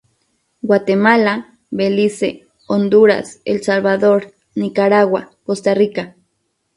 Guatemala; Belice; Honduras; El Salvador; Nicaragua; Costa Rica.